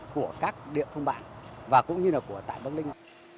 của các địa phương bản và cũng như là của tài bắc linh